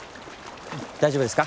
大丈夫ですか？